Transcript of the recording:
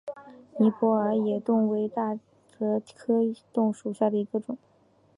尼泊尔野桐为大戟科野桐属下的一个种。